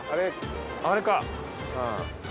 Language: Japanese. あれか。